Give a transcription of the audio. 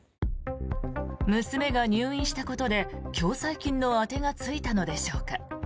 娘が入院したことで共済金の当てがついたのでしょうか。